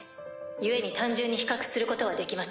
故に単純に比較することはできません。